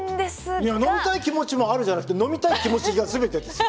いや飲みたい気持ちもあるじゃなくて飲みたい気持ちが全てですよ。